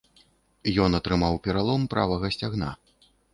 Ён атрымаў пералом правага сцягна.